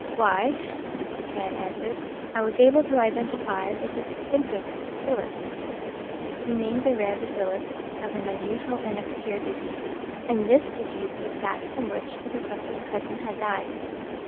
"Why," his friend answered, "I was able to identify the distinctive bacillus " He named the rare bacillus of an unusual and obscure disease. And this disease was that from which the Professor's cousin had died.